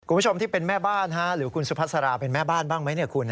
คุณผู้ชมที่เป็นแม่บ้านหรือคุณสุภาษาราเป็นแม่บ้านบ้างไหมคุณ